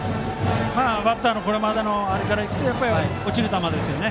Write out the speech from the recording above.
バッターのこれまでからいくと落ちる球ですね。